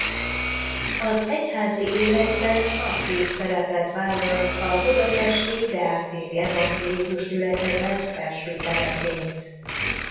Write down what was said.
Az egyházi életben aktív szerepet vállal a budapesti Deák téri evangélikus gyülekezet presbitereként.